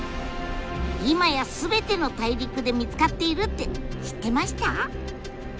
今や全ての大陸で見つかっているって知ってました？